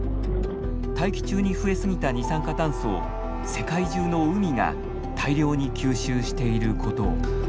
大気中に増え過ぎた二酸化炭素を世界中の海が大量に吸収していることを。